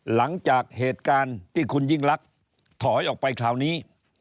หลังจากเหตุการณ์ที่คุณยิ่งลักษณ์ถอยออกไปคราวนี้